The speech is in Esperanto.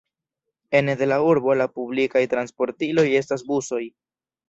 Ene de la urbo, la publikaj transportiloj estas busoj.